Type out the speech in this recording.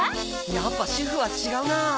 やっぱ主婦は違うなあ。